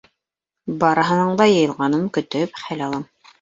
Барыһының да йыйылғанын көтөп, хәл алам.